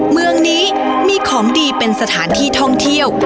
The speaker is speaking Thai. เมืองนี้มีของดีเป็นสถานที่ท่องเที่ยว